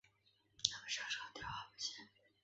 南北战争第一场陆战腓立比之役发生在本县。